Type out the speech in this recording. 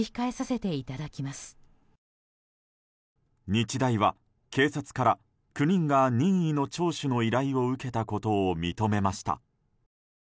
日大は警察から９人が任意の聴取の依頼を受けたことを認めました。